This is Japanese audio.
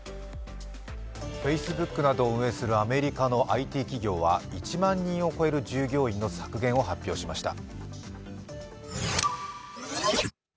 Ｆａｃｅｂｏｏｋなどを運営するアメリカのＩＴ企業は１万人を超える従業員の削減を発表しました。